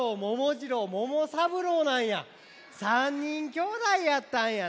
きょうだいやったんやな。